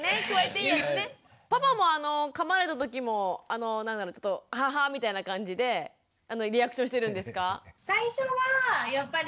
パパもかまれた時も何だろちょっとアハハッみたいな感じでリアクションしてるんですか？